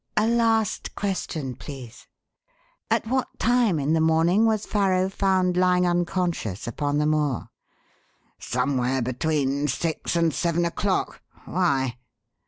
A last question, please. At what time in the morning was Farrow found lying unconscious upon the moor?" "Somewhere between six and seven o'clock. Why?"